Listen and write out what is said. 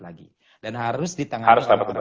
lagi dan harus ditangani